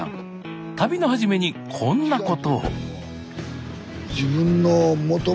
旅のはじめにこんなことをへえ！